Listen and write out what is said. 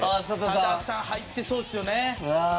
さださん入ってそうですよね？